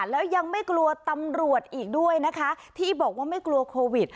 แล้วยังไม่กลัวตำรวจอีกด้วยนะคะที่บอกว่าไม่กลัวโควิด